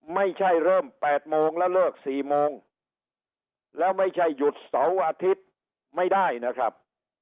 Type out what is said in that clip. ไม่ใช่เริ่ม๘โมงแล้วเลิก๔โมงแล้วไม่ใช่หยุดเสาร์อาทิตย์ไม่ได้นะครับ